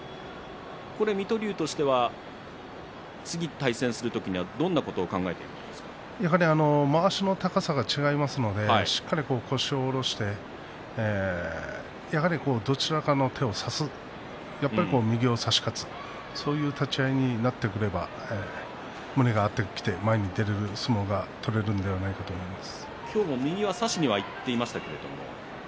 水戸龍としては次、対戦する時にはどんなことをまわしの高さが違いますのでしっかり腰を下ろしてどちらかの手を差す右を差し勝つ、そういう立ち合いになってくれれば胸が合ってきて前に出られる相撲が取れるんじゃないかと思います。